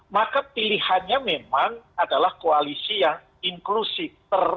maka pilihannya memang adalah koalisi yang inklusif